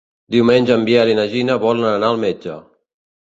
Diumenge en Biel i na Gina volen anar al metge.